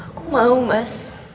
aku mau mas